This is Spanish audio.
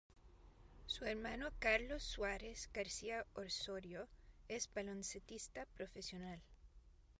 Su hermano Carlos Suárez García-Osorio es baloncestista profesional.